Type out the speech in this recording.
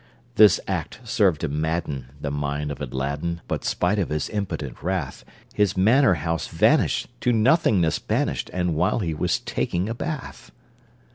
This act served to madden The mind of Aladdin, But, 'spite of his impotent wrath, His manor house vanished, To nothingness banished, And while he was taking a bath!